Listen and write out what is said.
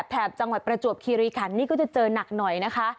แถบจังหวัดประจวบคีรีขันนี่ก็จะเจอหนักหน่อยนะคะ